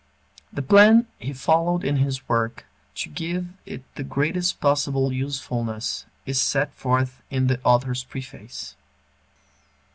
The plan he followed in this work, to give it the greatest possible usefulness, is set forth in the Author's Preface.